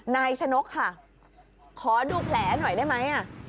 ชนกค่ะขอดูแผลหน่อยได้ไหม